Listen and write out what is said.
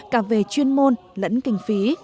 càng về chuyên môn lẫn kinh phí